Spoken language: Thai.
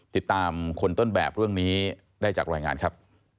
ติดตามคนต้นแบบเรื่องนี้ได้จากรายงานครับ